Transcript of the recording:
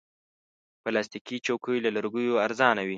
پلاستيکي چوکۍ له لرګیو ارزانه وي.